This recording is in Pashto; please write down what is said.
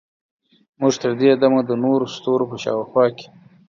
موږ تر دې دمه د نورو ستورو په شاوخوا کې